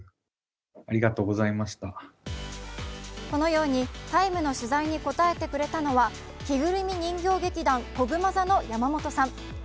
このように「ＴＩＭＥ’」の取材に応えてくれたのは、人形劇団こぐま座の山本さん。